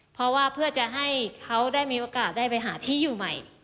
เพราะว่าเพื่อจะให้เขาได้มีโอกาสได้ไปหาที่อยู่ใหม่